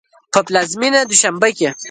په پلازمېنه دوشنبه کې